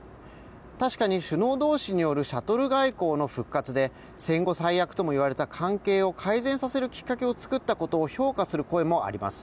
確かに首脳同士によるシャトル外交の復活で戦後最悪とも言われた関係を改善させるきっかけを作ったことを評価する声もあります。